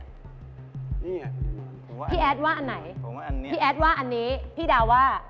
นี่ล่ะพี่แอดว่าอันไหนพี่แอดว่าอันนี้พี่ดาวว่า